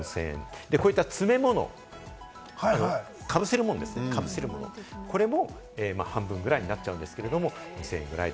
こういった詰め物、かぶせるものですね、これも半分くらいになっちゃうんですけれども、２０００円くらいで。